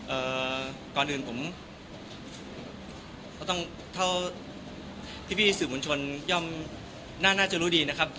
เอ่อก่อนอื่นผมก็ต้องเท่าพี่พี่สื่อมวลชนย่อมน่าจะรู้ดีนะครับ